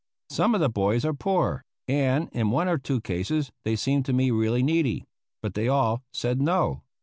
Some of the boys are poor, and in one or two cases they seemed to me really needy, but they all said no.